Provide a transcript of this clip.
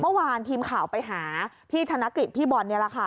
เมื่อวานทีมข่าวไปหาพี่ธนกฤษพี่บอลนี่แหละค่ะ